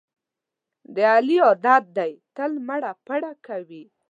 د علي عادت دی تل مړه پړه کوي.